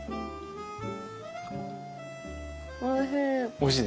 おいしい！